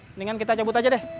mendingan kita cabut aja deh